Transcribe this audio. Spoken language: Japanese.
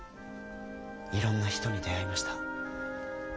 いろんな人に出会いました。